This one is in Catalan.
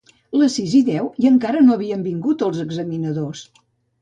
Les sis i deu i encara no havien vingut els examinadors!